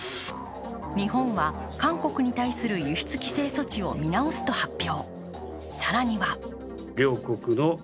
日本は、韓国に対する輸出規制措置を見直すと発表。